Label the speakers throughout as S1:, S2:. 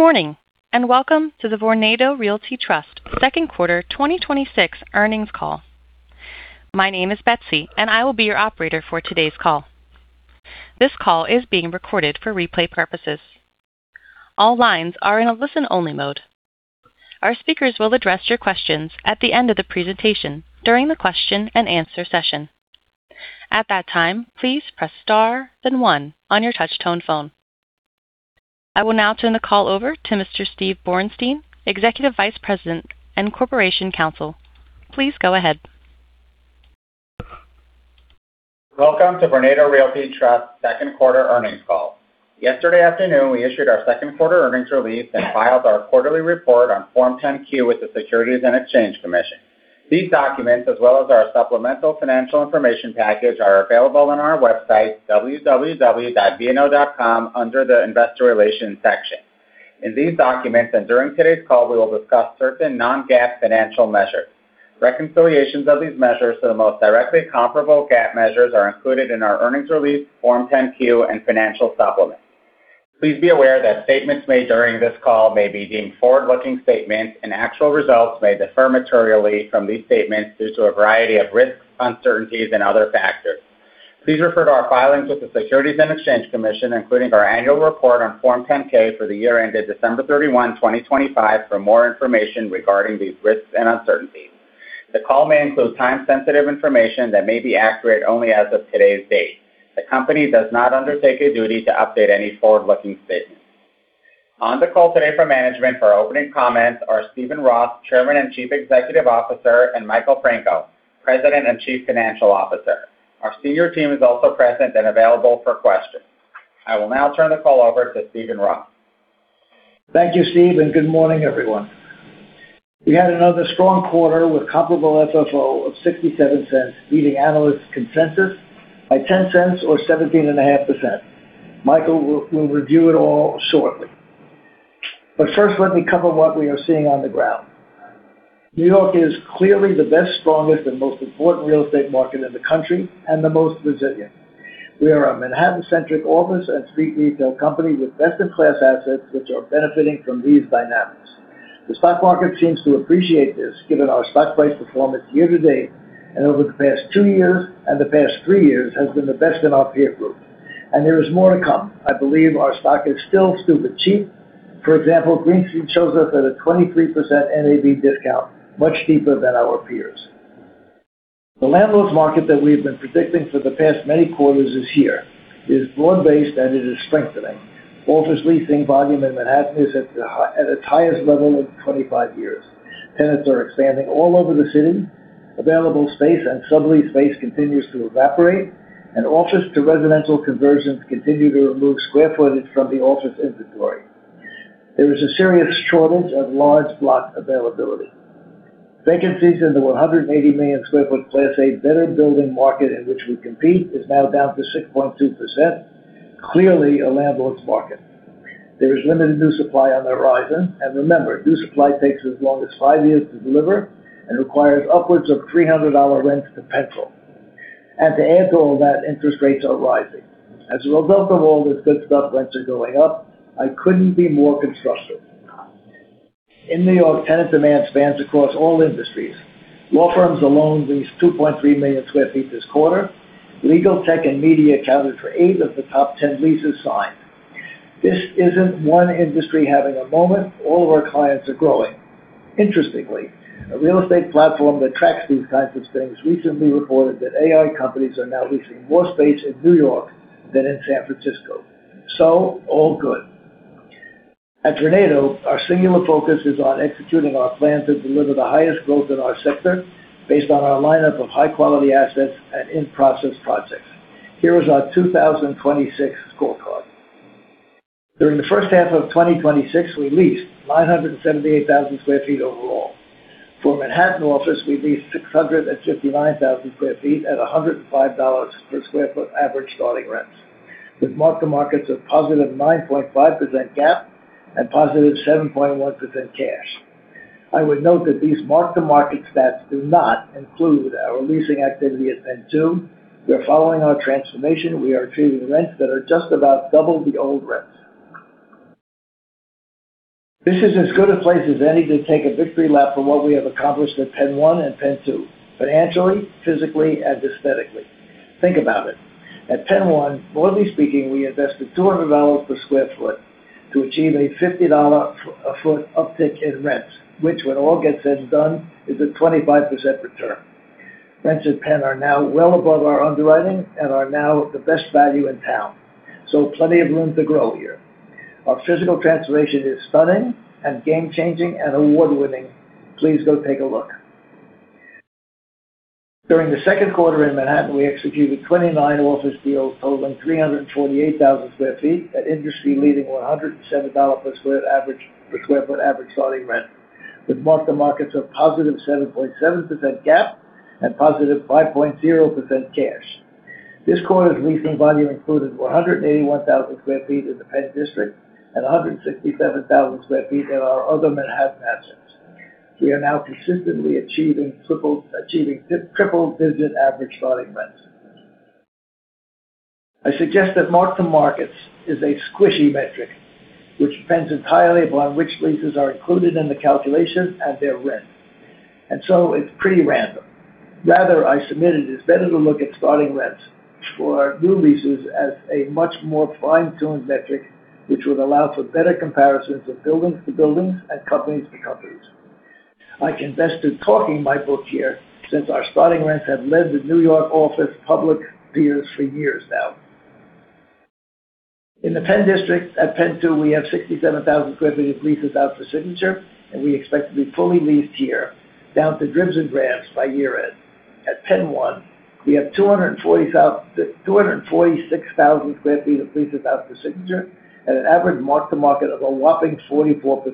S1: Good morning, and welcome to the Vornado Realty Trust second quarter 2026 earnings call. My name is Betsy, and I will be your Operator for today's call. This call is being recorded for replay purposes. All lines are in a listen-only mode. Our speakers will address your questions at the end of the presentation during the question-and-answer session. At that time, please press star, then one on your touch tone phone. I will now turn the call over to Mr. Steve Borenstein, Executive Vice President and Corporation Counsel. Please go ahead.
S2: Welcome to Vornado Realty Trust second quarter earnings call. Yesterday afternoon, we issued our second quarter earnings release and filed our quarterly report on Form 10-Q with the Securities and Exchange Commission. These documents, as well as our supplemental financial information package, are available on our website www.vno.com under the investor relations section. In these documents and during today's call, we will discuss certain non-GAAP financial measures. Reconciliations of these measures to the most directly comparable GAAP measures are included in our earnings release, Form 10-Q and financial supplements. Please be aware that statements made during this call may be deemed forward-looking statements, and actual results may differ materially from these statements due to a variety of risks, uncertainties and other factors. Please refer to our filings with the Securities and Exchange Commission, including our annual report on Form 10-K for the year ended December 31, 2025 for more information regarding these risks and uncertainties. The call may include time sensitive information that may be accurate only as of today's date. The company does not undertake a duty to update any forward-looking statements. On the call today from management for opening comments are Steven Roth, Chairman and Chief Executive Officer, and Michael Franco, President and Chief Financial Officer. Our senior team is also present and available for questions. I will now turn the call over to Steven Roth.
S3: Thank you, Steve, and good morning, everyone. We had another strong quarter with comparable FFO of $0.67, beating analyst consensus by $0.10 or 17.5%. Michael will review it all shortly. First, let me cover what we are seeing on the ground. New York is clearly the best, strongest, and most important real estate market in the country, and the most resilient. We are a Manhattan centric office and street retail company with best in class assets which are benefiting from these dynamics. The stock market seems to appreciate this, given our stock price performance year-to-date, and over the past two years and the past three years has been the best in our peer group. There is more to come. I believe our stock is still stupid cheap. For example, Green Street shows us at a 23% NAV discount, much deeper than our peers. The landlord's market that we've been predicting for the past many quarters is here. It is broad-based and it is strengthening. Office leasing volume in Manhattan is at its highest level in 25 years. Tenants are expanding all over the city. Available space and sublease space continues to evaporate. Office to residential conversions continue to remove square footage from the office inventory. There is a serious shortage of large block availability. Vacancies in the 180 million sq ft Class A better building market in which we compete is now down to 6.2%, clearly a landlord's market. There is limited new supply on the horizon. Remember, new supply takes as long as five years to deliver and requires upwards of $300 rent to pencil. To add to all that, interest rates are rising. As a result of all this good stuff, rents are going up. I couldn't be more constructive. In New York, tenant demand spans across all industries. Law firms alone leased 2.3 million sq ft this quarter. Legal tech and media accounted for eight of the top 10 leases signed. This isn't one industry having a moment. All of our clients are growing. Interestingly, a real estate platform that tracks these kinds of things recently reported that AI companies are now leasing more space in New York than in San Francisco. All good. At Vornado, our singular focus is on executing our plan to deliver the highest growth in our sector based on our lineup of high-quality assets and in process projects. Here is our 2026 scorecard. During the first half of 2026, we leased 978,000 sq ft overall. For Manhattan office, we leased 659,000 sq ft at $105 per sq ft average starting rents, with mark-to-markets of positive 9.5% GAAP and positive 7.1% cash. I would note that these mark-to-market stats do not include our leasing activity PENN 2. we are following our transformation. We are achieving rents that are just about double the old rents. This is as good a place as any to take a victory lap for what we have accomplished at PENN 1 and PENN 2, financially, physically, and aesthetically. Think about it. At PENN 1, broadly speaking, we invested $200 per sq ft to achieve a $50 a foot uptick in rents, which when all gets said and done, is a 25% return. Rents at PENN are now well above our underwriting and are now the best value in town. Plenty of room to grow here. Our physical transformation is stunning and game-changing and award-winning. Please go take a look. During the second quarter in Manhattan, we executed 29 office deals totaling 328,000 sq ft at industry leading $107 per sq ft average starting rent, with mark-to-markets of positive 7.7% GAAP and positive 5.0% cash. This quarter's leasing volume included 181,000 sq ft in the PENN District and 167,000 sq ft in our other Manhattan assets. We are now consistently achieving triple digit average starting rents. I suggest that mark-to-markets is a squishy metric which depends entirely upon which leases are included in the calculation and their rent. It's pretty random. Rather, I submit it is better to look at starting rents for new leases as a much more fine-tuned metric, which would allow for better comparisons of buildings to buildings and companies to companies. I confess to talking my book here, since our starting rents have led the N.Y. office public peers for years now. In the PENN District PENN 2, we have 67,000 sq ft of leases out for signature, and we expect to be fully leased here down to dribs and drabs by year-end. At PENN 1, we have 246,000 sq ft of leases out for signature at an average mark-to-market of a whopping 44%.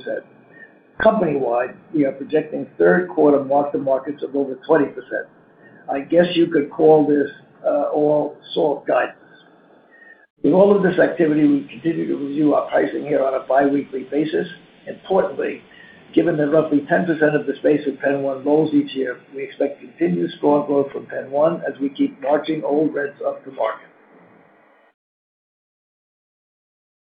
S3: Company-wide, we are projecting third quarter mark-to-markets of over 20%. I guess you could call this all sort guidance. With all of this activity, we continue to review our pricing here on a biweekly basis. Importantly, given that roughly 10% of the space at PENN 1 rolls each year, we expect continued strong growth from PENN 1 as we keep marching old rents up to market.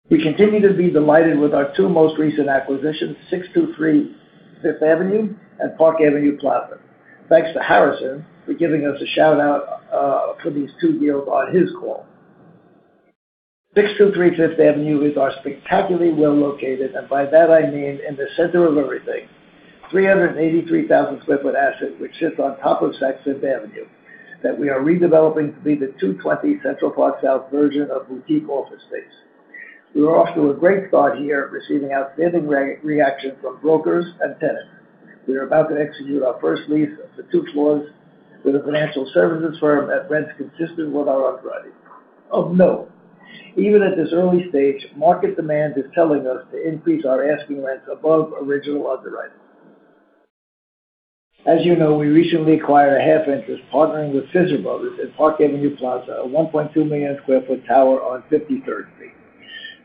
S3: We continue to be delighted with our two most recent acquisitions, 623 Fifth Avenue and Park Avenue Plaza. Thanks to Harrison for giving us a shout-out for these two deals on his call. 623 Fifth Avenue is our spectacularly well located, and by that I mean in the center of everything, 383,000 sq ft asset which sits on top of Saks Fifth Avenue, that we are redeveloping to be the 220 Central Park South version of boutique office space. We are off to a great start here, receiving outstanding reaction from brokers and tenants. We are about to execute our first lease for two floors with a financial services firm at rents consistent with our underwriting. Of note, even at this early stage, market demand is telling us to increase our asking rents above original underwriting. As you know, we recently acquired a half interest partnering with Fisher Brothers at Park Avenue Plaza, a 1.2 million sq ft tower on 53rd Street.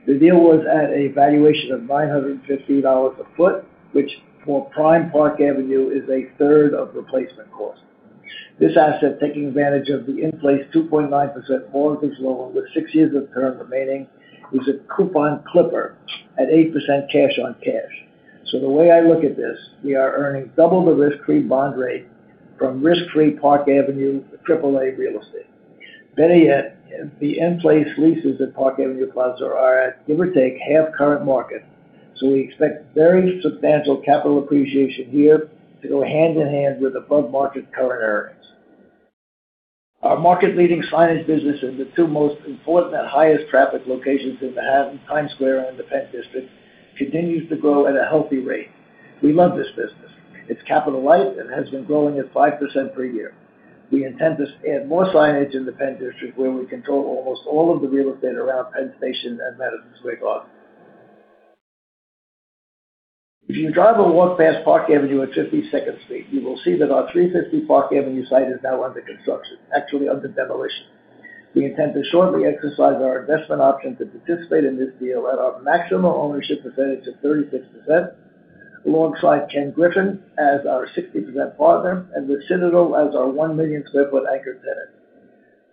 S3: The deal was at a valuation of $950 a foot, which for prime Park Avenue is a third of replacement cost. This asset, taking advantage of the in-place 2.9% mortgage loan with six years of term remaining, is a coupon clipper at 8% cash on cash. The way I look at this, we are earning double the risk-free bond rate from risk-free Park Avenue AAA real estate. Better yet, the in-place leases at Park Avenue Plaza are at, give or take, half current market. We expect very substantial capital appreciation here to go hand in hand with above-market current earnings. Our market-leading signage business in the two most important and highest traffic locations in Manhattan, Times Square and the PENN District, continues to grow at a healthy rate. We love this business. It's capital light and has been growing at 5% per year. We intend to add more signage in the PENN District, where we control almost all of the real estate around Penn Station and Madison Square Garden. If you drive or walk past Park Avenue at 52nd Street, you will see that our 350 Park Avenue site is now under construction, actually under demolition. We intend to shortly exercise our investment option to participate in this deal at our maximum ownership percentage of 36%, alongside Ken Griffin as our 60% partner and with Citadel as our 1 million sq ft anchor tenant.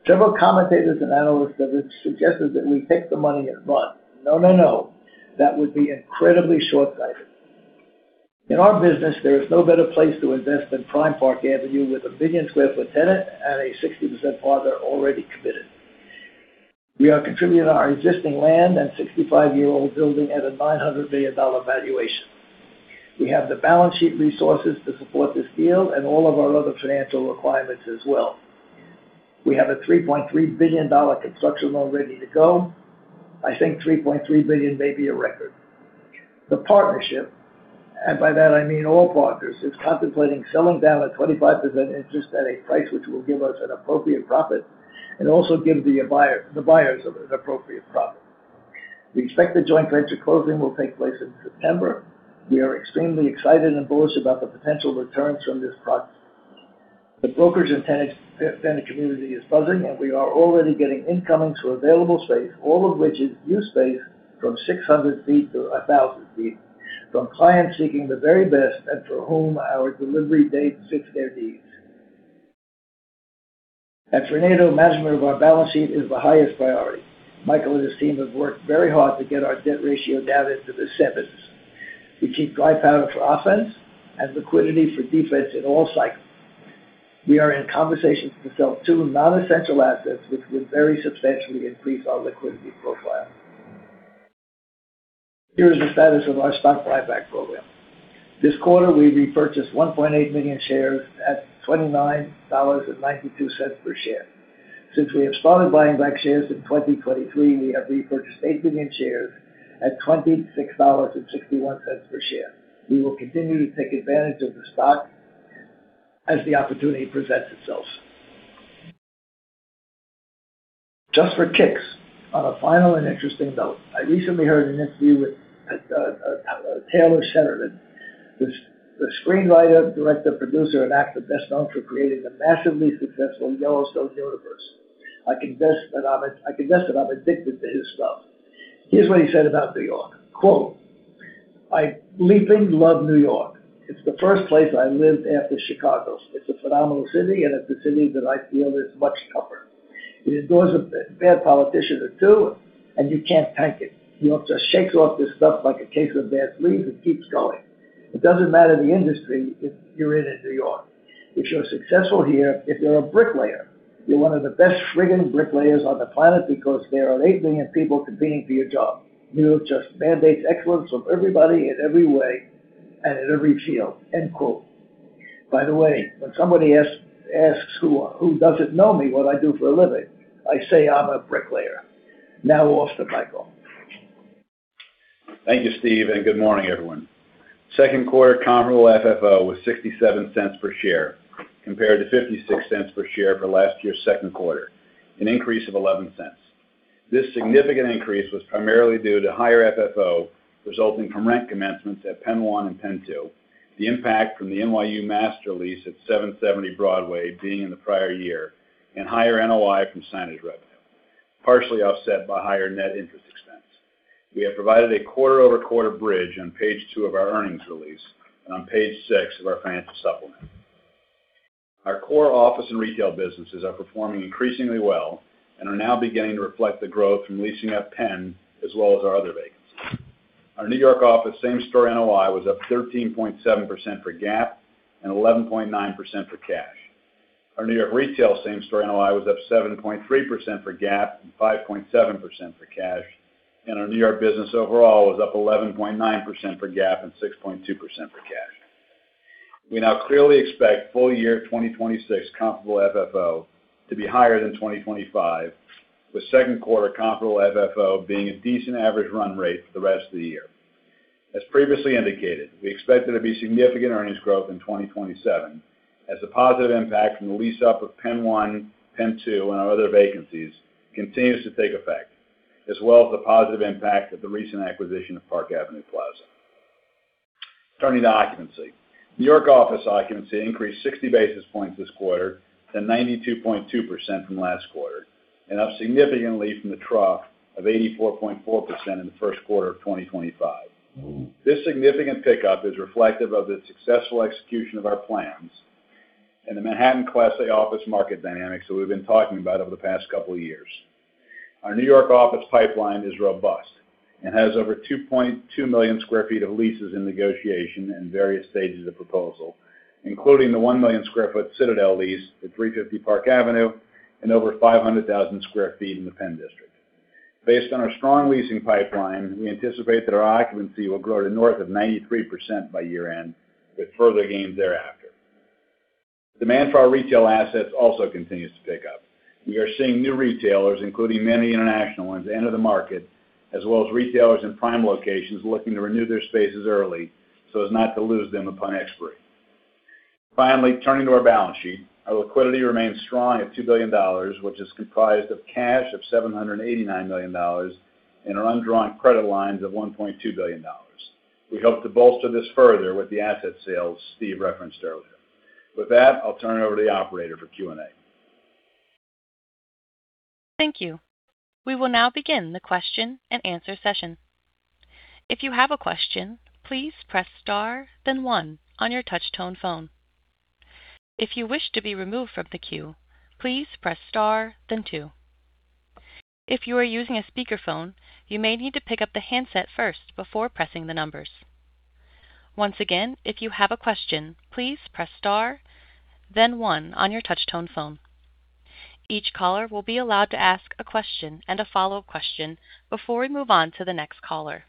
S3: Several commentators and analysts have suggested that we take the money and run. No, no. That would be incredibly shortsighted. In our business, there is no better place to invest than prime Park Avenue with a million square foot tenant and a 60% partner already committed. We are contributing our existing land and 65-year-old building at a $900 million valuation. We have the balance sheet resources to support this deal and all of our other financial requirements as well. We have a $3.3 billion construction loan ready to go. I think $3.3 billion may be a record. The partnership, and by that I mean all partners, is contemplating selling down a 25% interest at a price which will give us an appropriate profit and also give the buyers an appropriate profit. We expect the joint venture closing will take place in September. We are extremely excited and bullish about the potential returns from this project. The brokers and tenant community is buzzing. We are already getting incomings for available space, all of which is new space from 600 feet-1,000 feet, from clients seeking the very best and for whom our delivery date fits their needs. At Vornado, management of our balance sheet is the highest priority. Michael and his team have worked very hard to get our debt ratio down into the sevens. We keep dry powder for offense and liquidity for defense in all cycles. We are in conversations to sell two non-essential assets, which would very substantially increase our liquidity profile. Here is the status of our stock buyback program. This quarter, we repurchased 1.8 million shares at $29.92 per share. Since we have started buying back shares in 2023, we have repurchased 8 million shares at $26.61 per share. We will continue to take advantage of the stock as the opportunity presents itself. Just for kicks, on a final and interesting note, I recently heard an interview with Taylor Sheridan, the screenwriter, director, producer, and actor best known for creating the massively successful Yellowstone universe. I confess that I'm addicted to his stuff. Here's what he said about New York. Quote, "I leaping love New York. It's the first place I lived after Chicago. It's a phenomenal city. It's a city that I feel is much tougher. It endures a bad politician or two. You can't tank it. New York just shakes off this stuff like a case of bad fleas and keeps going. It doesn't matter the industry you're in in New York. If you're successful here, if you're a bricklayer, you're one of the best frigging bricklayers on the planet because there are 8 million people competing for your job. New York just mandates excellence from everybody in every way and in every field." End quote. By the way, when somebody asks who doesn't know me what I do for a living, I say I'm a bricklayer. Now off to Michael.
S4: Thank you, Steve. Good morning, everyone. Second quarter comparable FFO was $0.67 per share compared to $0.56 per share for last year's second quarter, an increase of $0.11. This significant increase was primarily due to higher FFO resulting from rent commencements at PENN 1 PENN 2, the impact from the NYU master lease at 770 Broadway being in the prior year, and higher NOI from signage revenue, partially offset by higher net interest expense. We have provided a quarter-over-quarter bridge on page two of our earnings release and on page six of our financial supplement. Our core office and retail businesses are performing increasingly well and are now beginning to reflect the growth from leasing at Penn as well as our other vacancies. Our New York office same store NOI was up 13.7% for GAAP and 11.9% for cash. Our New York retail same store NOI was up 7.3% for GAAP and 5.7% for cash. Our New York business overall was up 11.9% for GAAP and 6.2% for cash. We now clearly expect full-year 2026 comparable FFO to be higher than 2025, with second quarter comparable FFO being a decent average run rate for the rest of the year. As previously indicated, we expect there to be significant earnings growth in 2027 as the positive impact from the lease up of PENN 1 and PENN 2, and our other vacancies continues to take effect, as well as the positive impact of the recent acquisition of Park Avenue Plaza. Turning to occupancy. New York office occupancy increased 60 basis points this quarter to 92.2% from last quarter, and up significantly from the trough of 84.4% in the first quarter of 2025. This significant pickup is reflective of the successful execution of our plans and the Manhattan Class A office market dynamics that we've been talking about over the past couple of years. Our New York office pipeline is robust and has over 2.2 million square feet of leases in negotiation in various stages of proposal, including the 1 million square foot Citadel lease at 350 Park Avenue and over 500,000 square feet in the PENN District. Based on our strong leasing pipeline, we anticipate that our occupancy will grow to north of 93% by year-end with further gains thereafter. Demand for our retail assets also continues to pick up. We are seeing new retailers, including many international ones, enter the market, as well as retailers in prime locations looking to renew their spaces early so as not to lose them upon expiry. Finally, turning to our balance sheet. Our liquidity remains strong at $2 billion, which is comprised of cash of $789 million and our undrawn credit lines of $1.2 billion. We hope to bolster this further with the asset sales Steve referenced earlier. With that, I'll turn it over to the operator for Q&A.
S1: Thank you. We will now begin the question-and-answer session. If you have a question, please press star then one on your touch-tone phone. If you wish to be removed from the queue, please press star then two. If you are using a speakerphone, you may need to pick up the handset first before pressing the numbers. Once again, if you have a question, please press star then one on your touch-tone phone. Each caller will be allowed to ask a question and a follow-up question before we move on to the next caller.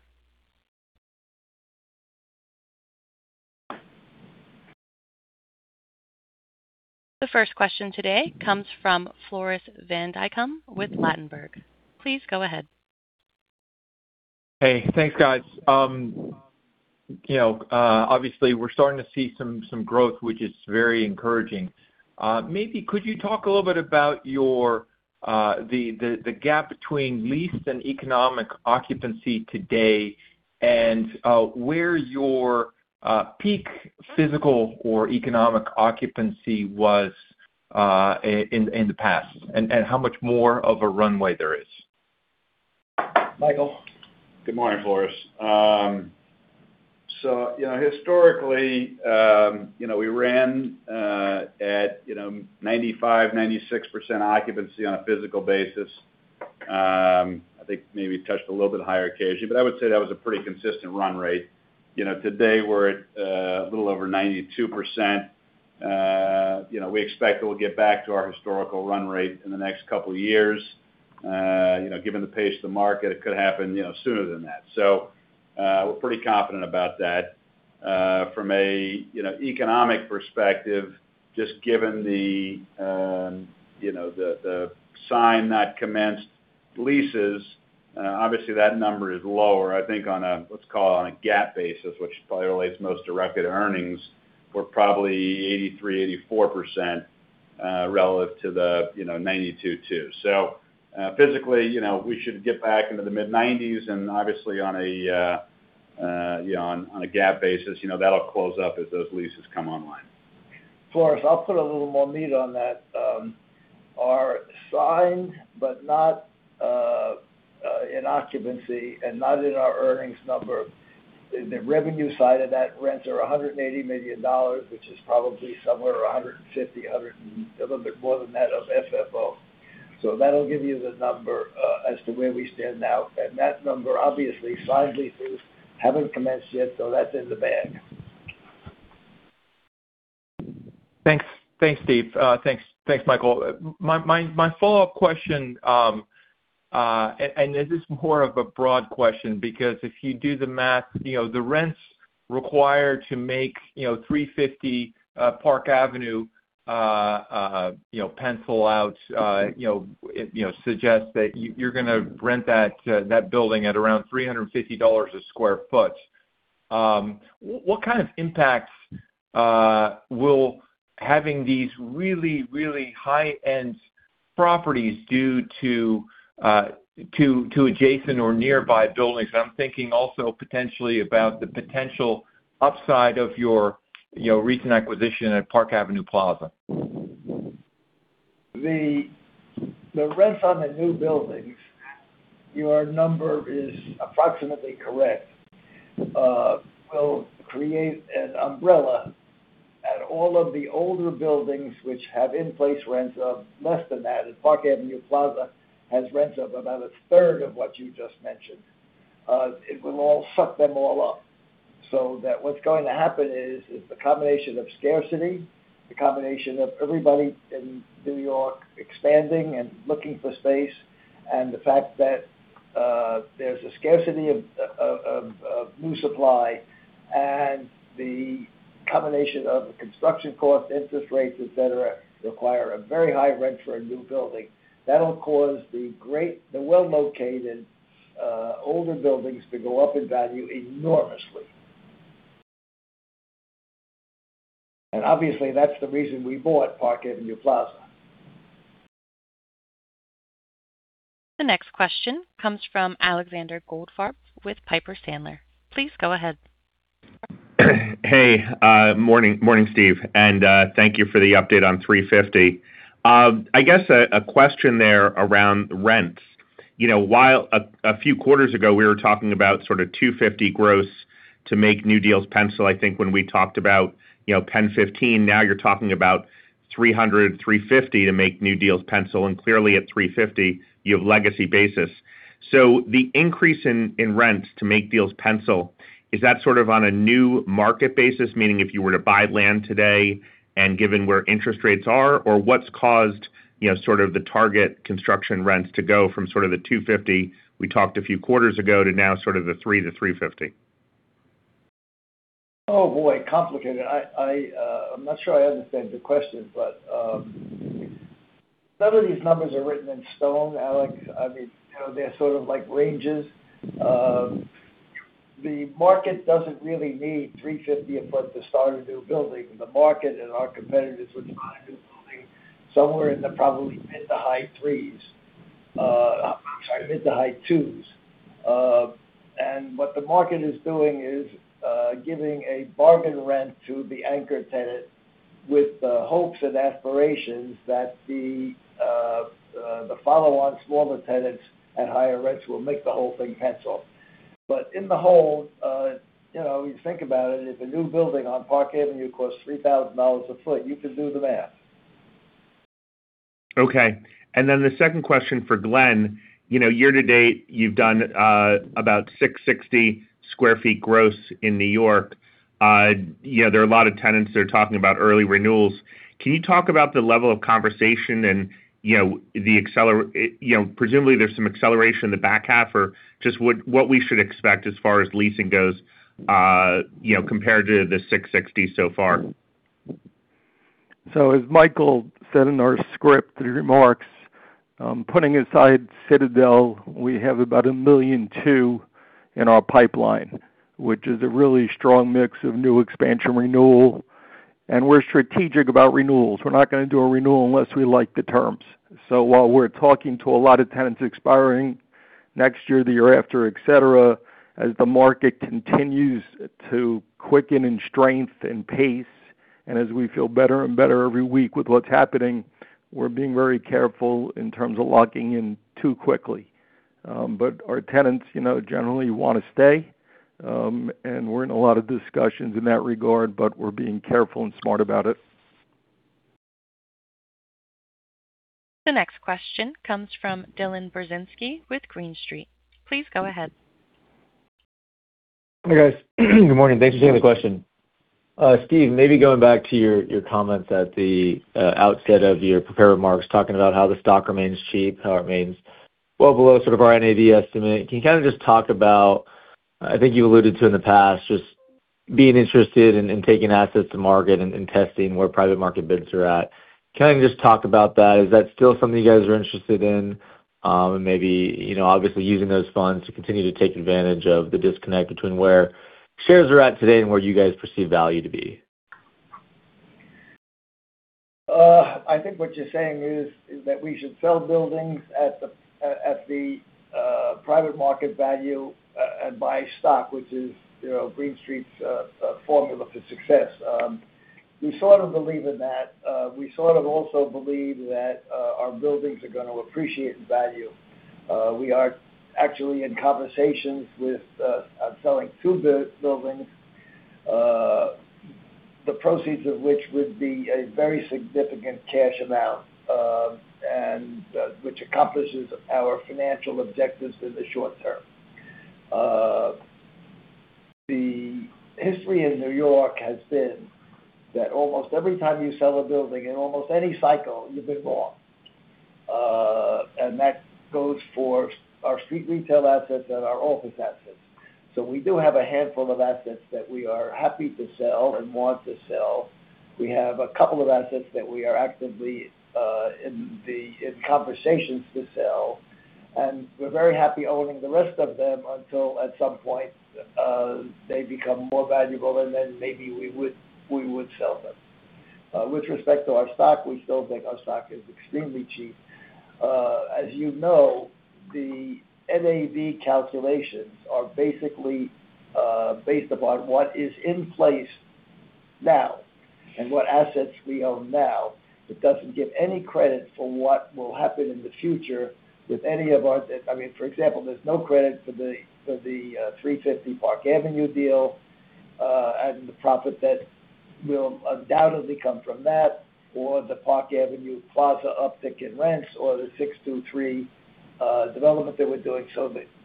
S1: The first question today comes from Floris van Dijkum with Ladenburg. Please go ahead.
S5: Thanks, guys. We're starting to see some growth, which is very encouraging. Could you talk a little bit about the gap between leased and economic occupancy today and where your peak physical or economic occupancy was in the past, and how much more of a runway there is?
S3: Michael.
S4: Good morning, Floris. Historically we ran at 95%, 96% occupancy on a physical basis. I think maybe touched a little bit higher occasionally, but I would say that was a pretty consistent run rate. Today we're at a little over 92%. We expect that we'll get back to our historical run rate in the next couple of years. Given the pace of the market, it could happen sooner than that. We're pretty confident about that. From an economic perspective, just given the sign not commenced leases, that number is lower, I think on a, let's call it on a GAAP basis, which probably relates most direct to earnings. We're probably 83%, 84% relative to the 92, too. Physically we should get back into the mid-90s and on a GAAP basis that'll close up as those leases come online.
S3: Floris, I'll put a little more meat on that. They are signed, but not in occupancy and not in our earnings number. In the revenue side of that, rents are $180 million, which is probably somewhere $150, a little bit more than that of FFO. That'll give you the number as to where we stand now. That number, signed leases haven't commenced yet, so that's in the bag.
S5: Thanks, Steve. Thanks, Michael. My follow-up question, this is more of a broad question, because if you do the math, the rents required to make 350 Park Avenue pencil out suggest that you're going to rent that building at around $350 a sq ft. What kind of impacts will having these really high-end properties do to adjacent or nearby buildings? I'm thinking also potentially about the potential upside of your recent acquisition at Park Avenue Plaza.
S3: The rents on the new buildings, your number is approximately correct, will create an umbrella at all of the older buildings which have in place rents of less than that. Park Avenue Plaza has rents of about a third of what you just mentioned. It will all suck them all up. What's going to happen is, the combination of scarcity, the combination of everybody in New York expanding and looking for space, the fact that there's a scarcity of new supply and the combination of the construction cost, interest rates, et cetera, require a very high rent for a new building. That'll cause the well-located older buildings to go up in value enormously. Obviously that's the reason we bought Park Avenue Plaza.
S1: The next question comes from Alexander Goldfarb with Piper Sandler. Please go ahead.
S6: Hey, morning Steve, thank you for the update on $350. I guess a question there around rents. A few quarters ago, we were talking about sort of $250 gross to make new deals pencil, I think, when we talked about PENN15. Now you're talking about $300, $350 to make new deals pencil, and clearly at $350 you have legacy basis. The increase in rents to make deals pencil, is that sort of on a new market basis, meaning if you were to buy land today and given where interest rates are? What's caused the target construction rents to go from the $250 we talked a few quarters ago to now the $300-$350?
S3: Oh, boy. Complicated. I'm not sure I understand the question, but none of these numbers are written in stone, Alex. They're sort of like ranges. The market doesn't really need $350 a foot to start a new building. The market and our competitors would want to be building somewhere in the probably mid to high $300s. I'm sorry, mid to high $200s. What the market is doing is, giving a bargain rent to the anchor tenant with the hopes and aspirations that the follow-on smaller tenants at higher rents will make the whole thing pencil. In the whole, if you think about it, if a new building on Park Avenue costs $3,000 a foot, you can do the math.
S6: Okay. The second question for Glenn. Year to-date, you've done about 660 sq ft gross in New York. There are a lot of tenants that are talking about early renewals. Can you talk about the level of conversation and presumably there's some acceleration in the back half, or just what we should expect as far as leasing goes compared to the 660 so far?
S7: As Michael said in our script remarks, putting aside Citadel, we have about 1.2 million in our pipeline, which is a really strong mix of new expansion renewal. We're strategic about renewals. We're not going to do a renewal unless we like the terms. While we're talking to a lot of tenants expiring next year, the year after, et cetera, as the market continues to quicken in strength and pace, and as we feel better and better every week with what's happening, we're being very careful in terms of locking in too quickly. Our tenants, generally want to stay. We're in a lot of discussions in that regard, but we're being careful and smart about it.
S1: The next question comes from Dylan Burzinski with Green Street. Please go ahead.
S8: Hey, guys. Good morning. Thanks for taking the question. Steve, maybe going back to your comments at the outset of your prepared remarks, talking about how the stock remains cheap, how it remains well below sort of our NAV estimate. Can you kind of just talk about, I think you alluded to in the past, just being interested in taking assets to market and testing where private market bids are at. Can I just talk about that? Is that still something you guys are interested in? Maybe, obviously using those funds to continue to take advantage of the disconnect between where shares are at today and where you guys perceive value to be.
S3: I think what you're saying is that we should sell buildings at the private market value and buy stock, which is Green Street's formula for success. We sort of believe in that. We sort of also believe that our buildings are going to appreciate in value. We are actually in conversations with selling two buildings, the proceeds of which would be a very significant cash amount, and which accomplishes our financial objectives in the short term. The history in New York has been that almost every time you sell a building, in almost any cycle, you've been wrong. That goes for our street retail assets and our office assets. We do have a handful of assets that we are happy to sell and want to sell. We have a couple of assets that we are actively in conversations to sell, and we're very happy owning the rest of them until, at some point, they become more valuable, and then maybe we would sell them. With respect to our stock, we still think our stock is extremely cheap. As you know, the NAV calculations are basically based upon what is in place now and what assets we own now. It doesn't give any credit for what will happen in the future with any of our. For example, there's no credit for the 350 Park Avenue deal and the profit that will undoubtedly come from that, or the Park Avenue Plaza uptick in rents or the 623 development that we're doing.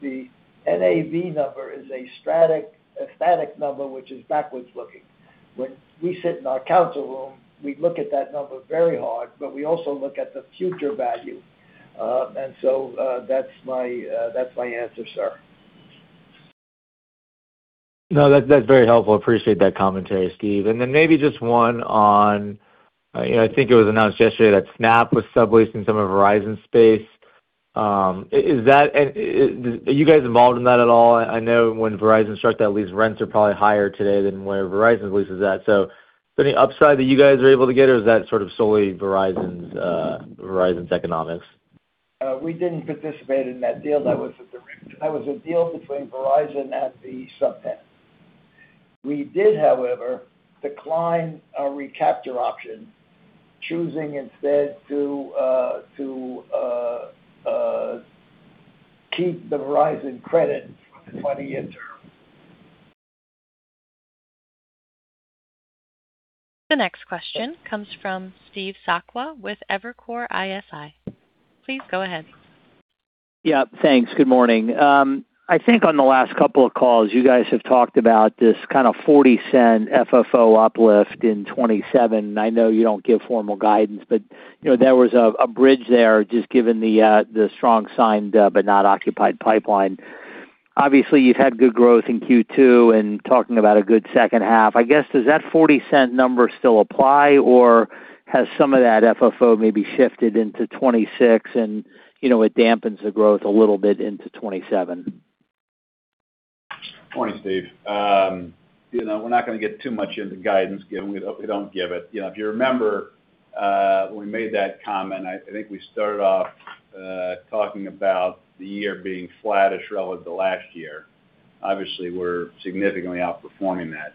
S3: The NAV number is a static number, which is backwards looking. When we sit in our council room, we look at that number very hard, but we also look at the future value. That's my answer, sir.
S8: No, that's very helpful. Appreciate that commentary, Steve. Maybe just one on, I think it was announced yesterday that Snap was subleasing some of Verizon's space. Are you guys involved in that at all? I know when Verizon struck that lease, rents are probably higher today than where Verizon's lease is at. Is there any upside that you guys are able to get, or is that sort of solely Verizon's economics?
S3: We didn't participate in that deal. That was a deal between Verizon and the subtenant. We did, however, decline a recapture option, choosing instead to keep the Verizon credit for the 20-year term.
S1: The next question comes from Steve Sakwa with Evercore ISI. Please go ahead.
S9: Yeah, thanks. Good morning. I think on the last couple of calls, you guys have talked about this kind of $0.40 FFO uplift in 2027. I know you don't give formal guidance, there was a bridge there just given the strong signed but not occupied pipeline. Obviously, you've had good growth in Q2 and talking about a good second half. I guess, does that $0.40 number still apply, or has some of that FFO maybe shifted into 2026 and it dampens the growth a little bit into 2027?
S4: Morning, Steve. We're not going to get too much into guidance given we don't give it. If you remember, when we made that comment, I think we started off talking about the year being flattish relative to last year. Obviously, we're significantly outperforming that.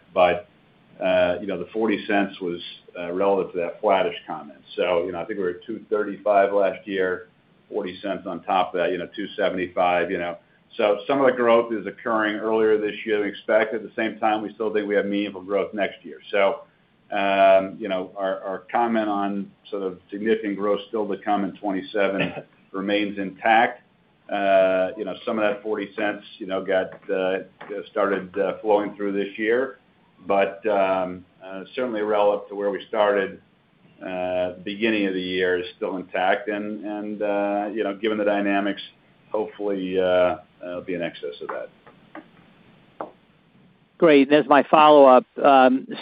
S4: The $0.40 was relative to that flattish comment. I think we were at $2.35 last year, $0.40 on top of that, $2.75. Some of the growth is occurring earlier this year than expected. At the same time, we still think we have meaningful growth next year. Our comment on sort of significant growth still to come in 2027 remains intact. Some of that $0.40 got started flowing through this year, but certainly relative to where we started, beginning of the year is still intact. Given the dynamics, hopefully it'll be in excess of that.
S9: Great. As my follow-up,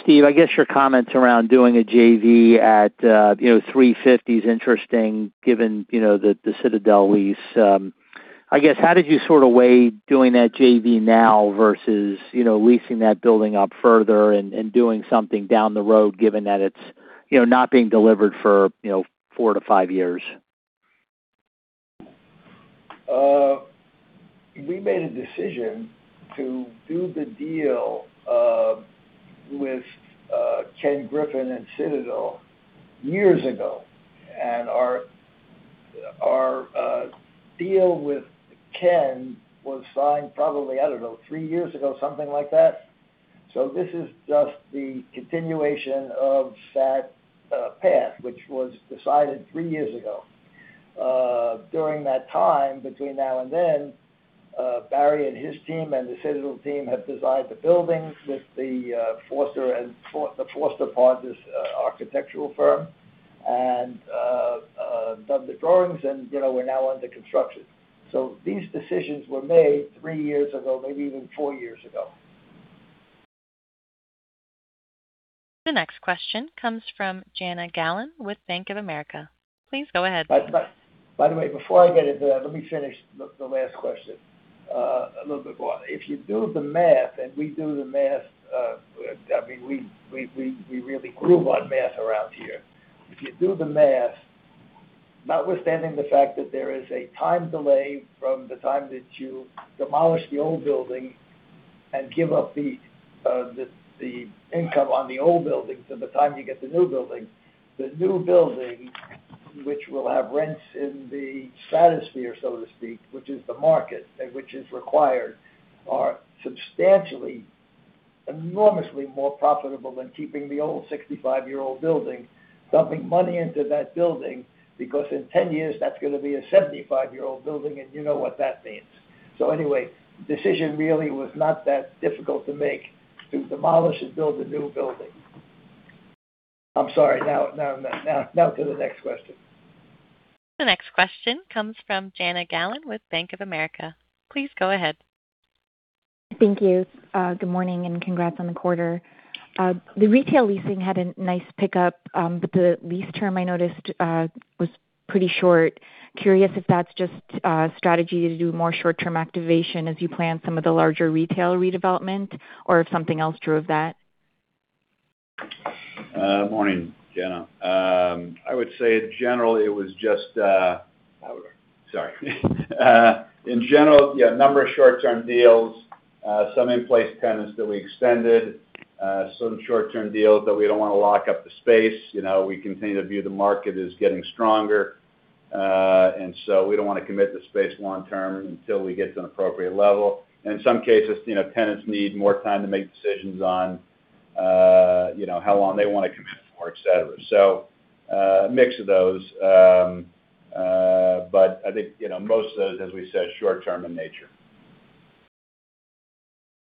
S9: Steve, I guess your comments around doing a JV at 350 is interesting given the Citadel lease. I guess, how did you sort of weigh doing that JV now versus leasing that building up further and doing something down the road, given that it's not being delivered for four to five years?
S3: We made a decision to do the deal with Ken Griffin and Citadel years ago. Our deal with Ken was signed probably, I don't know, three years ago, something like that. This is just the continuation of that path, which was decided three years ago. During that time, between now and then, Barry and his team and the Citadel team have designed the building with the Foster + Partners architectural firm and done the drawings, and we're now under construction. These decisions were made three years ago, maybe even four years ago.
S1: The next question comes from Jana Galan with Bank of America. Please go ahead.
S3: By the way, before I get into that, let me finish the last question. A little bit more. If you do the math, and we do the math, we really groove on math around here. If you do the math, notwithstanding the fact that there is a time delay from the time that you demolish the old building and give up the income on the old building to the time you get the new building, the new building, which will have rents in the stratosphere, so to speak, which is the market, and which is required, are substantially, enormously more profitable than keeping the old 65-year-old building, dumping money into that building, because in 10 years, that's going to be a 75-year-old building, and you know what that means. Anyway, decision really was not that difficult to make to demolish and build a new building. I'm sorry. Now to the next question.
S1: The next question comes from Jana Galan with Bank of America. Please go ahead.
S10: Thank you. Good morning, and congrats on the quarter. The retail leasing had a nice pickup. The lease term I noticed was pretty short. Curious if that's just a strategy to do more short-term activation as you plan some of the larger retail redevelopment, or if something else drove that.
S4: Morning, Jana. In general, yeah, a number of short-term deals, some in-place tenants that we extended. Some short-term deals that we don't want to lock up the space. We continue to view the market as getting stronger. We don't want to commit the space long-term until we get to an appropriate level. In some cases, tenants need more time to make decisions on how long they want to commit for, et cetera. A mix of those. I think most of those, as we said, short-term in nature.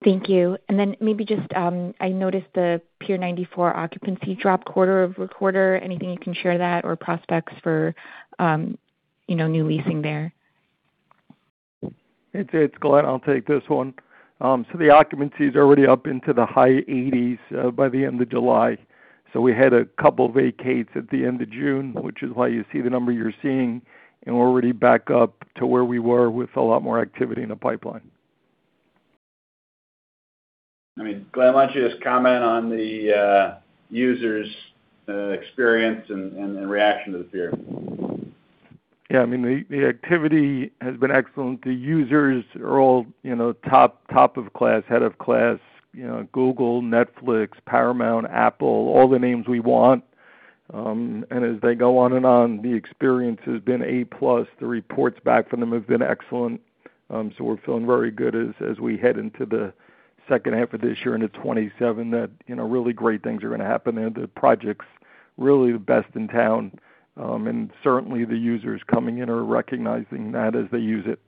S10: Thank you. Maybe just, I noticed the Pier 94 occupancy drop quarter-over-quarter. Anything you can share that, or prospects for new leasing there?
S7: It's Glen, I'll take this one. The occupancy's already up into the high 80s by the end of July. We had a couple vacates at the end of June, which is why you see the number you're seeing, and we're already back up to where we were with a lot more activity in the pipeline.
S4: Glen, why don't you just comment on the users' experience and their reaction to the pier?
S7: The activity has been excellent. The users are all top of class, head of class. Google, Netflix, Paramount, Apple, all the names we want. As they go on and on, the experience has been A-plus. The reports back from them have been excellent. We're feeling very good as we head into the second half of this year into 2027, that really great things are going to happen there. The project's really the best in town. Certainly, the users coming in are recognizing that as they use it.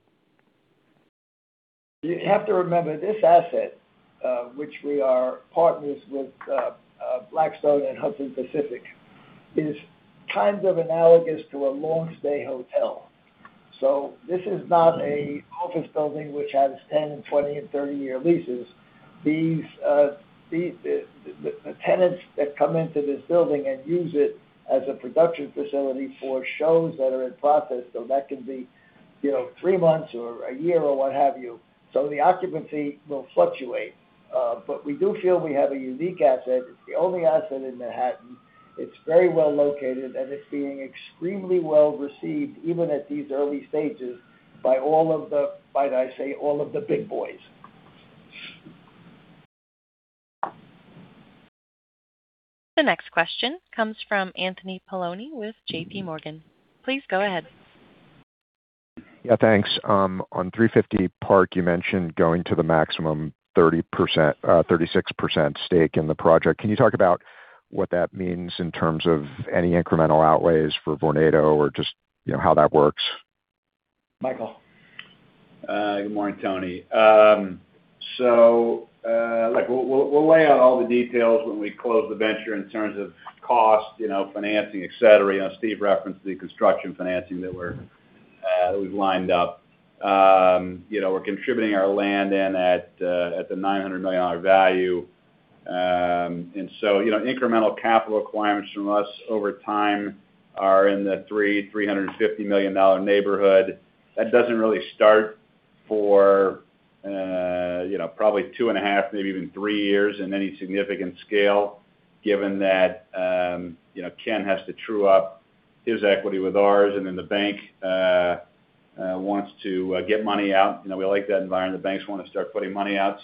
S3: You have to remember, this asset, which we are partners with Blackstone and Hudson Pacific, is kind of analogous to a long-stay hotel. This is not an office building which has 10 and 20 and 30-year leases. The tenants that come into this building and use it as a production facility for shows that are in process, so that can be three months or a year, or what have you. The occupancy will fluctuate. We do feel we have a unique asset. It's the only asset in Manhattan. It's very well located, and it's being extremely well received, even at these early stages, by all of the, might I say, all of the big boys.
S1: The next question comes from Anthony Paolone with JPMorgan. Please go ahead.
S11: Thanks. On 350 Park, you mentioned going to the maximum 36% stake in the project. Can you talk about what that means in terms of any incremental outlays for Vornado or just how that works?
S3: Michael.
S4: Good morning, Tony. We'll lay out all the details when we close the venture in terms of cost, financing, et cetera. Steve referenced the construction financing that we've lined up. We're contributing our land in at the $900 million value. Incremental capital requirements from us over time are in the $300 million-$350 million neighborhood. That doesn't really start for probably two and a half, maybe even three years in any significant scale, given that Ken has to true up his equity with ours. The bank wants to get money out. We like that environment. The banks want to start putting money out.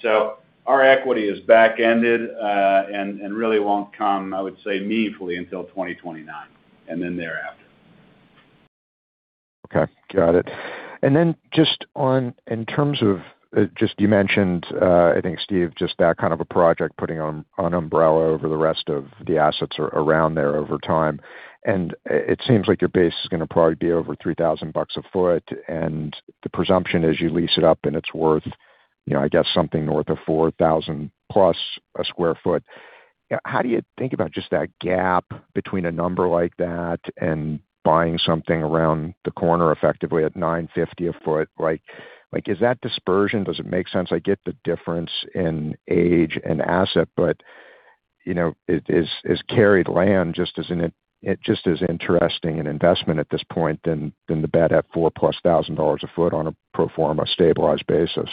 S4: Our equity is back ended, and really won't come, I would say, meaningfully until 2029, and then thereafter.
S11: Okay. Got it. Just in terms of, you mentioned, I think, Steve, that kind of a project, putting an umbrella over the rest of the assets around there over time. It seems like your base is going to probably be over $3,000 a foot, and the presumption is you lease it up and it's worth, I guess, something north of $4,000+ a square foot. How do you think about just that gap between a number like that and buying something around the corner effectively at $950 a foot? Is that dispersion, does it make sense? I get the difference in age and asset, is carried land just as interesting an investment at this point than the bet at $4,000+ a foot on a pro forma stabilized basis.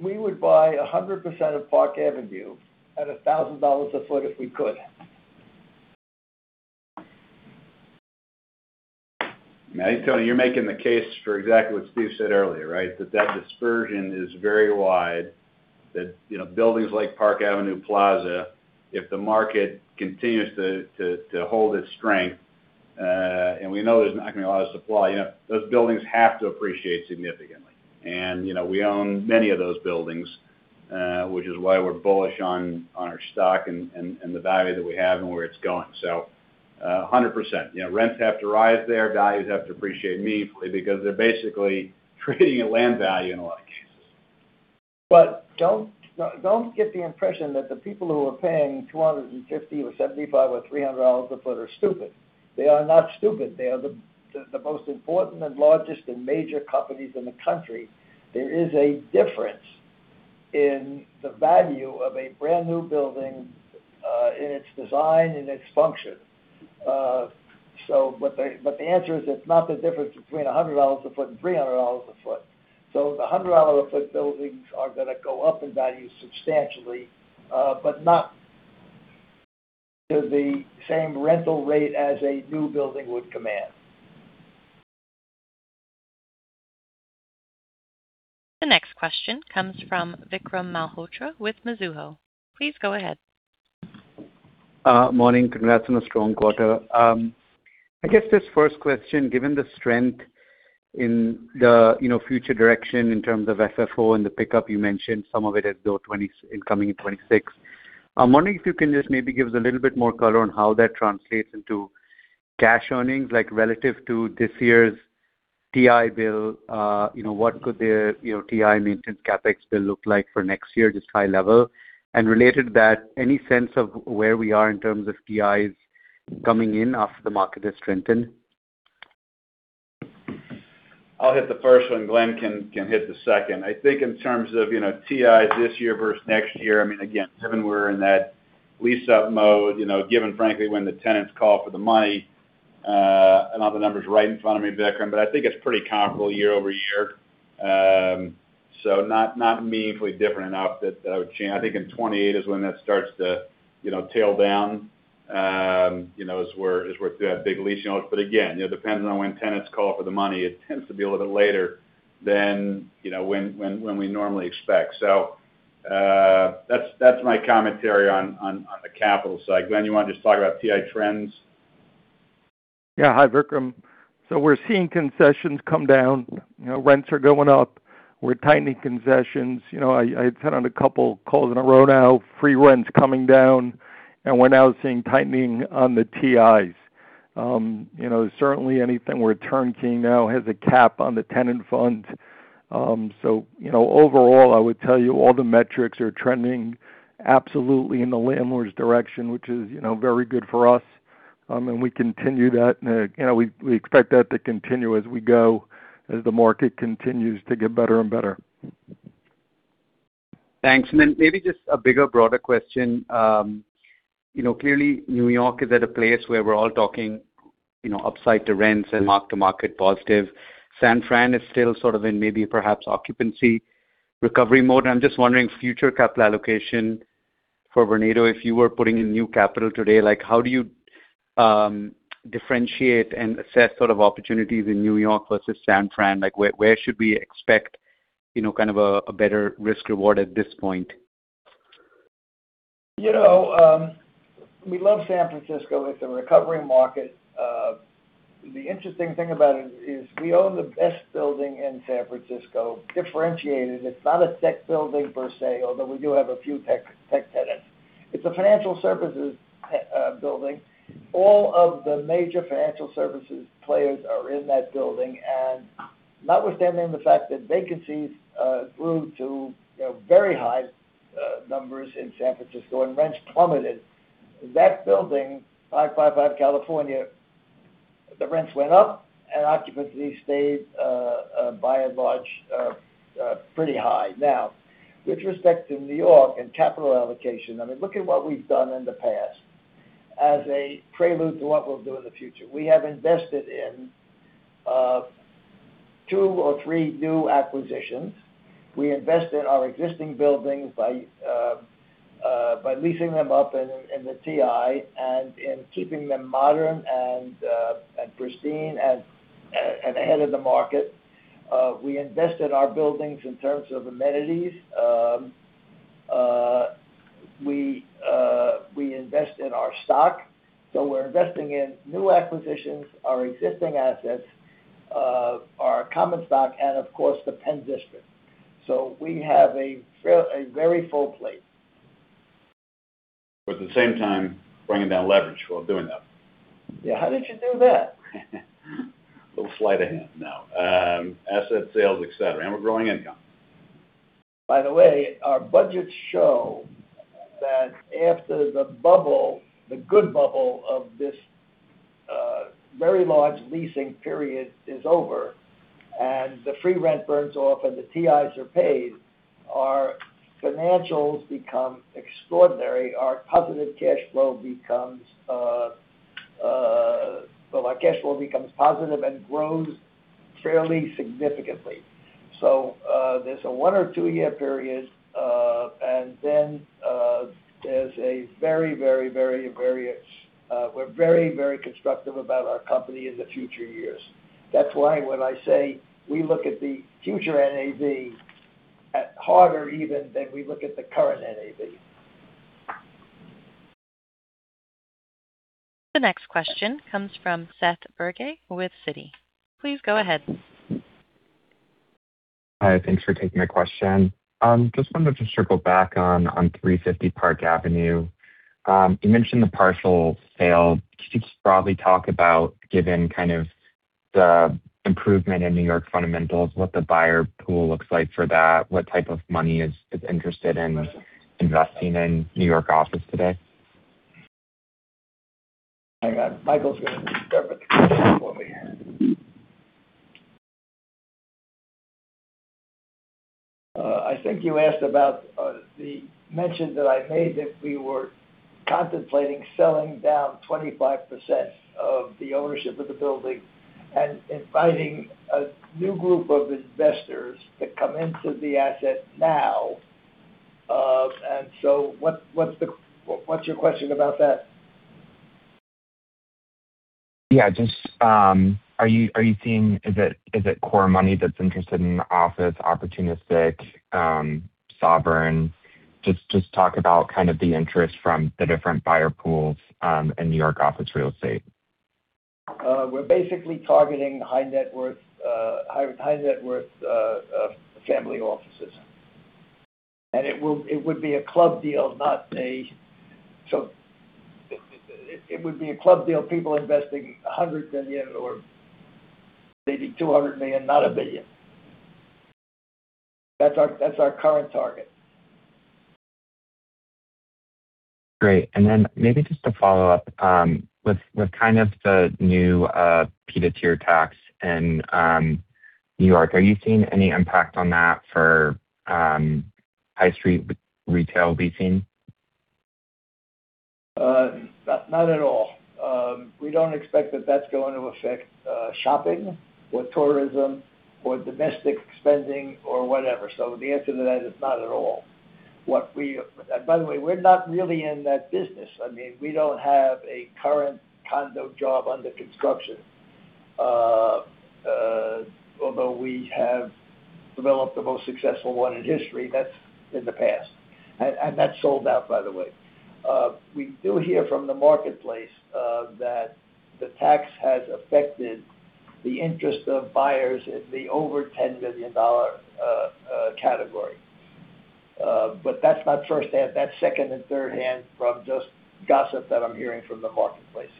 S3: We would buy 100% of Park Avenue at $1,000 a foot if we could.
S4: Tony, you're making the case for exactly what Steve said earlier, right? That dispersion is very wide. Buildings like Park Avenue Plaza, if the market continues to hold its strength, we know there's not going to be a lot of supply, those buildings have to appreciate significantly. We own many of those buildings, which is why we're bullish on our stock and the value that we have and where it's going. 100%. Rents have to rise there, values have to appreciate meaningfully because they're basically trading at land value in a lot of cases.
S3: Don't get the impression that the people who are paying $250 or $75 or $300 a foot are stupid. They are not stupid. They are the most important and largest and major companies in the country. There is a difference in the value of a brand-new building, in its design, in its function. The answer is, it's not the difference between $100 a foot and $300 a foot. The $100 a foot buildings are going to go up in value substantially, but not to the same rental rate as a new building would command.
S1: The next question comes from Vikram Malhotra with Mizuho. Please go ahead.
S12: Morning. Congrats on a strong quarter. I guess this first question, given the strength in the future direction in terms of FFO and the pickup, you mentioned some of it as though incoming in 2026. I'm wondering if you can just maybe give us a little bit more color on how that translates into cash earnings, like relative to this year's TI bill. What could their TI maintenance CapEx bill look like for next year, just high level? Related to that, any sense of where we are in terms of TIs coming in after the market has strengthened?
S4: I'll hit the first one, Glen can hit the second. I think in terms of TIs this year versus next year. Again, given we're in that lease-up mode, given frankly when the tenants call for the money. I don't have the numbers right in front of me, Vikram, but I think it's pretty comparable year-over-year. Not meaningfully different enough that I would change. I think in 2028 is when that starts to tail down, is where if you have big lease notes. Again, it depends on when tenants call for the money. It tends to be a little bit later than when we normally expect. That's my commentary on the capital side. Glen, you want to just talk about TI trends?
S7: Hi, Vikram. We're seeing concessions come down. Rents are going up. We're tightening concessions. I've sat on a couple calls in a row now, free rents coming down, and we're now seeing tightening on the TIs. Certainly anything we're turnkey now has a cap on the tenant fund. Overall, I would tell you all the metrics are trending absolutely in the landlord's direction, which is very good for us. We continue that. We expect that to continue as we go, as the market continues to get better and better.
S12: Thanks. Maybe just a bigger, broader question. Clearly, New York is at a place where we're all talking upside to rents and mark-to-market positive. San Fran is still sort of in maybe perhaps occupancy recovery mode. I'm just wondering, future capital allocation for Vornado, if you were putting in new capital today, how do you differentiate and assess sort of opportunities in New York versus San Fran? Where should we expect kind of a better risk-reward at this point?
S3: We love San Francisco. It's a recovering market. The interesting thing about it is we own the best building in San Francisco, differentiated. It's not a tech building per se, although we do have a few tech tenants. It's a financial services building. All of the major financial services players are in that building. Notwithstanding the fact that vacancies grew to very high numbers in San Francisco and rents plummeted, that building, 555 California, the rents went up and occupancy stayed, by and large, pretty high. Now, with respect to New York and capital allocation, look at what we've done in the past as a prelude to what we'll do in the future. We have invested in two or three new acquisitions. We invest in our existing buildings by leasing them up in the TI and in keeping them modern and pristine and ahead of the market. We invest in our buildings in terms of amenities. We invest in our stock. We're investing in new acquisitions, our existing assets, our common stock, and of course, the PENN District. We have a very full plate.
S4: At the same time, bringing down leverage while doing that.
S3: Yeah. How did you do that?
S4: Little sleight of hand. No. Asset sales, et cetera. We're growing income.
S3: By the way, our budgets show that after the bubble, the good bubble of Very large leasing period is over, and the free rent burns off and the TIs are paid, our financials become extraordinary. Our cash flow becomes positive and grows fairly significantly. There's a one or two-year period, and then we're very constructive about our company in the future years. That's why when I say we look at the future NAV harder even than we look at the current NAV.
S1: The next question comes from Seth Bergey with Citi. Please go ahead.
S13: Hi, thanks for taking my question. Just wanted to circle back on 350 Park Avenue. You mentioned the partial sale. Could you just broadly talk about, given kind of the improvement in New York fundamentals, what the buyer pool looks like for that? What type of money is interested in investing in New York office today?
S3: Michael's going to start with that one. I think you asked about the mention that I made that we were contemplating selling down 25% of the ownership of the building and inviting a new group of investors to come into the asset now. What's your question about that?
S13: Yeah. Is it core money that's interested in office opportunistic, sovereign? Just talk about kind of the interest from the different buyer pools, in New York office real estate.
S3: We're basically targeting high net worth family offices. It would be a club deal, people investing $100 million or maybe $200 million, not $1 billion. That's our current target.
S13: Great. Maybe just to follow-up, with kind of the new pied-à-terre tax in New York, are you seeing any impact on that for high street retail leasing?
S3: Not at all. We don't expect that that's going to affect shopping or tourism or domestic spending or whatever. The answer to that is not at all. By the way, we're not really in that business. We don't have a current condo job under construction. Although we have developed the most successful one in history, that's in the past. That's sold out, by the way. We do hear from the marketplace that the tax has affected the interest of buyers in the over $10 billion category. That's not firsthand. That's second and thirdhand from just gossip that I'm hearing from the marketplace.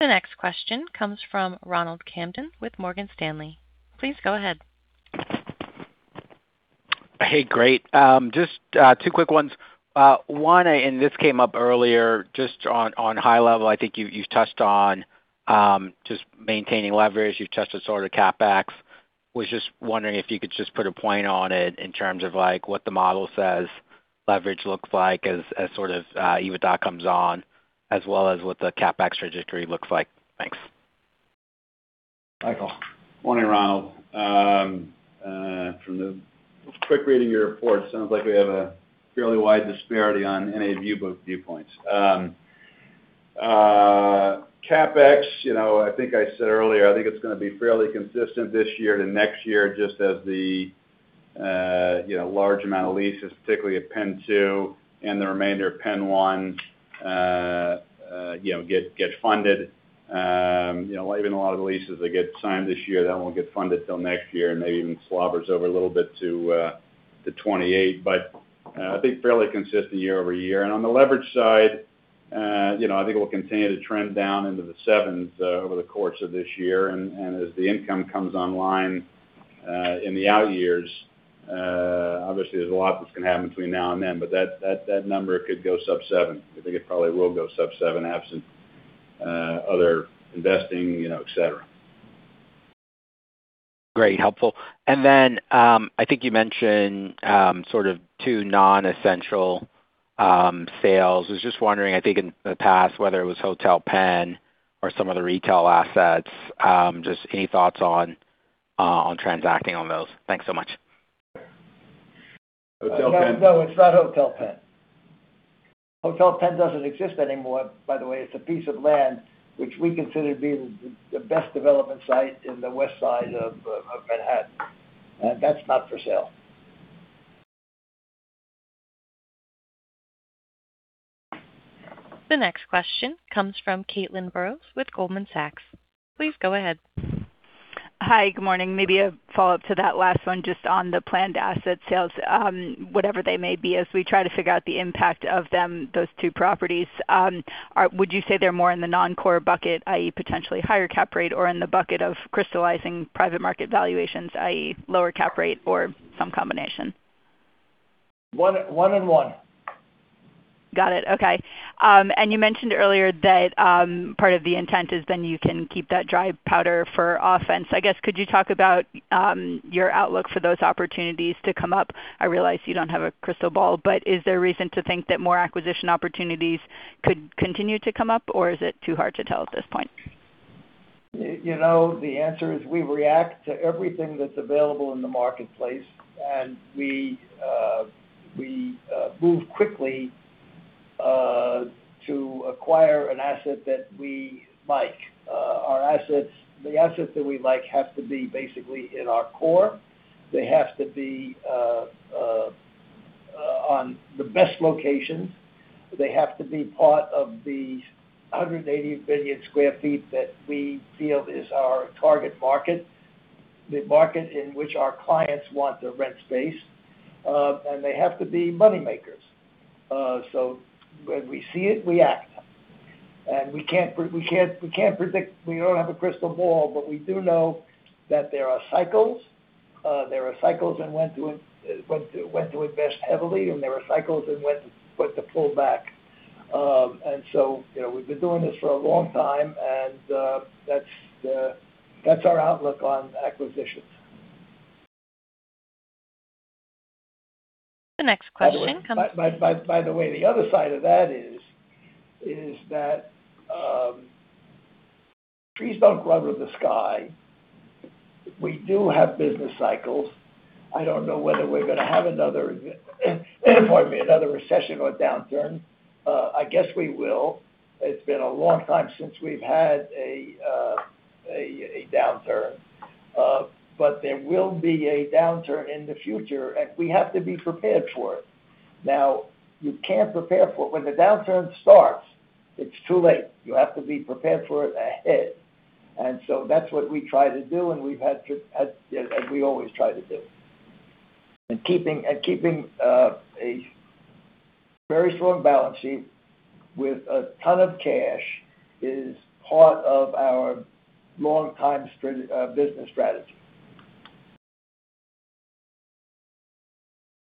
S1: The next question comes from Ronald Kamdem with Morgan Stanley. Please go ahead.
S14: Hey, great. Just two quick ones. One, this came up earlier, just on high level, I think you touched on just maintaining leverage. You've touched on sort of CapEx. Was just wondering if you could just put a point on it in terms of what the model says leverage looks like as sort of EBITDA comes on, as well as what the CapEx trajectory looks like. Thanks.
S3: Michael.
S4: Morning, Ronald. From the quick reading of your report, sounds like we have a fairly wide disparity on any view book viewpoints. CapEx, I think I said earlier, I think it's going to be fairly consistent this year to next year, just as the large amount of leases, particularly at PENN 2 and the remainder of PENN 1 get funded. Even a lot of the leases that get signed this year, that won't get funded till next year and maybe even slobbers over a little bit to 2028. I think fairly consistent year-over-year. On the leverage side, I think it will continue to trend down into the sevens over the course of this year. As the income comes online in the out years, obviously there's a lot that's going to happen between now and then, that number could go sub-seven. I think it probably will go sub-seven absent other investing, et cetera.
S14: Great. Helpful. Then, I think you mentioned sort of two non-essential sales. I was just wondering, I think in the past, whether it was Hotel Penn or some other retail assets, just any thoughts on transacting on those. Thanks so much.
S3: No, it's not Hotel Penn. Hotel Penn doesn't exist anymore, by the way. It's a piece of land which we consider to be the best development site in the West Side of Manhattan, and that's not for sale.
S1: The next question comes from Caitlin Burrows with Goldman Sachs. Please go ahead.
S15: Hi, good morning. Maybe a follow-up to that last one, just on the planned asset sales, whatever they may be, as we try to figure out the impact of those two properties. Would you say they're more in the non-core bucket, i.e., potentially higher cap rate, or in the bucket of crystallizing private market valuations, i.e., lower cap rate or some combination?
S3: One and one.
S15: Got it. Okay. You mentioned earlier that part of the intent is then you can keep that dry powder for offense. Could you talk about your outlook for those opportunities to come up? I realize you don't have a crystal ball, but is there reason to think that more acquisition opportunities could continue to come up, or is it too hard to tell at this point?
S3: The answer is we react to everything that's available in the marketplace, and we move quickly to acquire an asset that we like. The assets that we like have to be basically in our core. They have to be on the best locations. They have to be part of the 180 million sq ft that we feel is our target market, the market in which our clients want to rent space. They have to be money makers. When we see it, we act. We can't predict, we don't have a crystal ball, but we do know that there are cycles. There are cycles in when to invest heavily, and there are cycles in when to pull back. We've been doing this for a long time, and that's our outlook on acquisitions.
S1: The next question comes-
S3: By the way, the other side of that is that, trees don't grow to the sky. We do have business cycles. I don't know whether we're going to have another pardon me, another recession or downturn. We will. It's been a long time since we've had a downturn. There will be a downturn in the future, and we have to be prepared for it. Now, you can't prepare for it. When the downturn starts, it's too late. You have to be prepared for it ahead. That's what we try to do, and we've had to, as we always try to do. Keeping a very strong balance sheet with a ton of cash is part of our longtime business strategy.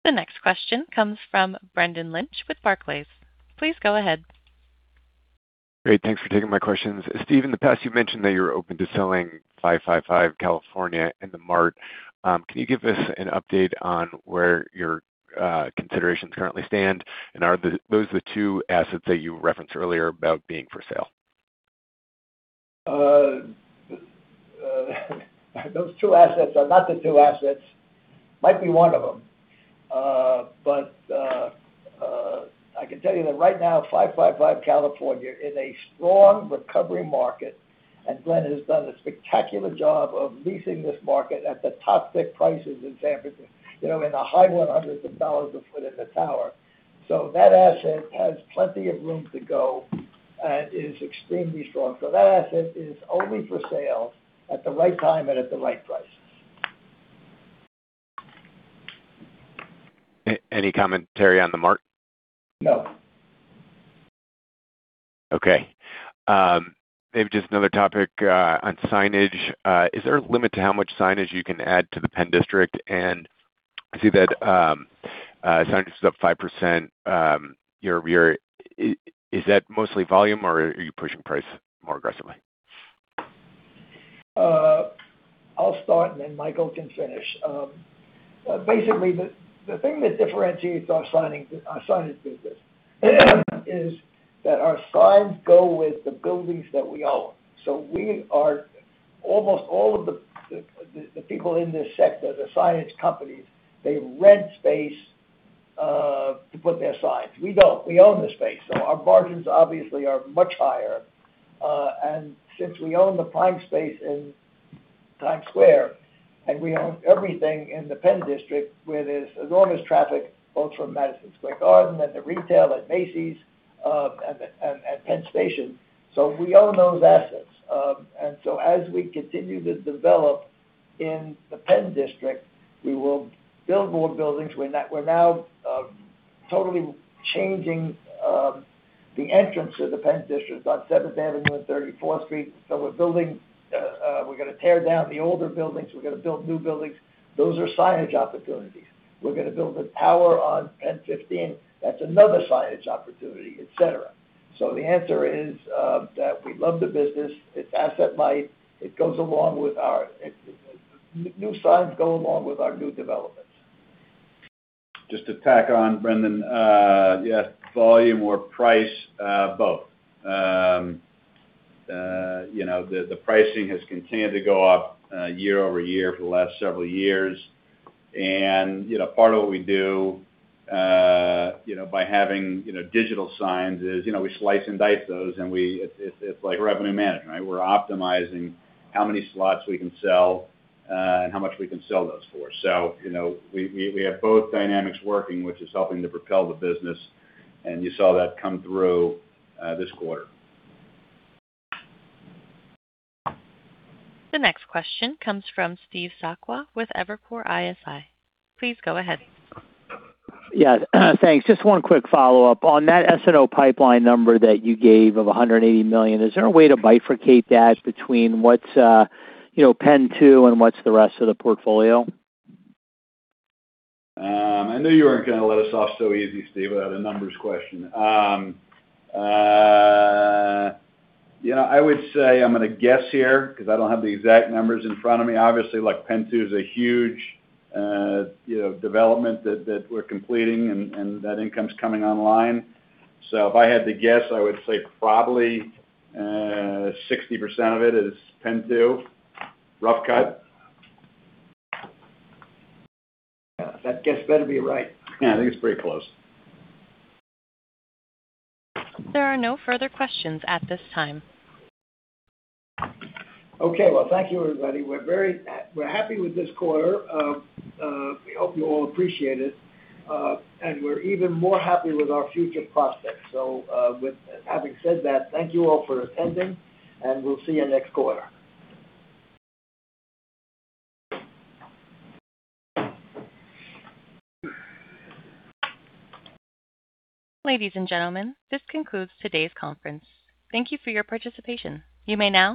S1: The next question comes from Brendan Lynch with Barclays. Please go ahead.
S16: Great. Thanks for taking my questions. Steve, in the past, you've mentioned that you were open to selling 555 California and The Mart. Can you give us an update on where your considerations currently stand, and are those the two assets that you referenced earlier about being for sale?
S3: Those two assets are not the two assets. Might be one of them. I can tell you that right now, 555 California, in a strong recovery market, and Glen Weiss has done a spectacular job of leasing this market at the top-tier prices in San Francisco, in the high $100s a foot in the tower. That asset has plenty of room to go and is extremely strong. That asset is only for sale at the right time and at the right price.
S16: Any commentary on The Mart?
S3: No.
S16: Okay. Maybe just another topic, on signage. Is there a limit to how much signage you can add to the PENN District? I see that signage is up 5%. Is that mostly volume, or are you pushing price more aggressively?
S3: I'll start and then Michael can finish. Basically, the thing that differentiates our signage business is that our signs go with the buildings that we own. We are almost all of the people in this sector, the signage companies, they rent space to put their signs. We don't. We own the space, our margins obviously are much higher. Since we own the prime space in Times Square, and we own everything in the PENN District, where there's enormous traffic, both from Madison Square Garden and the retail at Macy's, and Penn Station. We own those assets. As we continue to develop in the PENN District, we will build more buildings. We're now totally changing the entrance of the PENN District on 7th Avenue and 34th Street. We're going to tear down the older buildings, we're going to build new buildings. Those are signage opportunities. We're going to build a tower on PENN15. That's another signage opportunity, et cetera. The answer is that we love the business. It's asset light. New signs go along with our new developments.
S4: Just to tack on, Brendan. You asked volume or price? Both. The pricing has continued to go up year-over-year for the last several years. Part of what we do by having digital signs is we slice and dice those, and it's like revenue management, right? We're optimizing how many slots we can sell and how much we can sell those for. We have both dynamics working, which is helping to propel the business, and you saw that come through this quarter.
S1: The next question comes from Steve Sakwa with Evercore ISI. Please go ahead.
S9: Yes, thanks. Just one quick follow-up. On that S&O pipeline number that you gave of $180 million, is there a way to bifurcate that between PENN 2 and what's the rest of the portfolio?
S4: I knew you weren't going to let us off so easy, Steve, without a numbers question. I would say, I'm going to guess here because I don't have the exact numbers in front of me. PENN 2's a huge development that we're completing, and that income's coming online. If I had to guess, I would say probably 60% of it PENN 2. rough cut.
S3: That guess better be right.
S4: Yeah, I think it's pretty close.
S1: There are no further questions at this time.
S3: Okay. Well, thank you, everybody. We're happy with this quarter. We hope you all appreciate it. We're even more happy with our future prospects. With having said that, thank you all for attending, and we'll see you next quarter.
S1: Ladies and gentlemen, this concludes today's conference. Thank you for your participation. You may now disconnect.